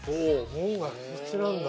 門外不出なんだ。